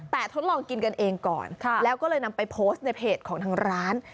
แต่ทดลองกินกันเองก่อนแล้วก็เลยนำไปโพสต์ในเพจของทางร้าน